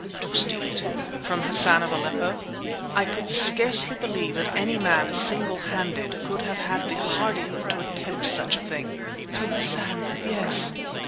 "To steal it!" "From Hassan of Aleppo?" I could scarcely believe that any man, single handed, could have had the hardihood to attempt such a thing. "From Hassan, yes!"